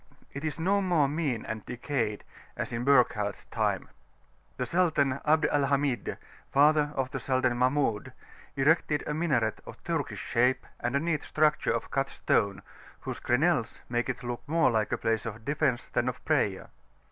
It is no longer "mean and decayed" as in Burckhardt's time: the Sultan Abd al Hamid, father of [p.409]the Sultan Mahmud, erected a minaret of Turkish shape and a neat structure of cut stone, whose crenelles make it look more like a place of defence than of prayer.